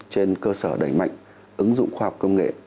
trên cơ sở đẩy mạnh ứng dụng khoa học công nghệ